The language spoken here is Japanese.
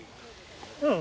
うん。